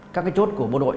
các cái chốt của bộ đội